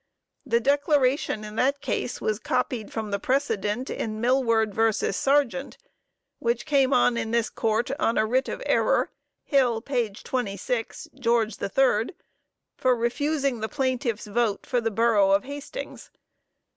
The declaration in that case was copied from the precedent in Milward v. Sargeant, which came on in this court on a writ of error, Hill 26, Geo. 3, for refusing the plaintiff's vote for the borough of Hastings.